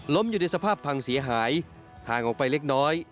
อยู่ในสภาพพังเสียหายห่างออกไปเล็กน้อย